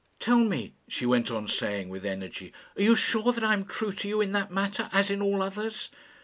"Tell me," she went on saying, with energy, "are you sure that I am true to you in that matter, as in all others?